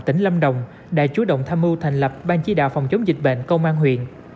tỉnh lâm đồng đã chú động tham mưu thành lập ban chỉ đạo phòng chống dịch bệnh công an huyện